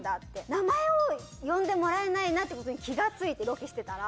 名前を呼んでもらえないなということに気がついて、ロケしてたら。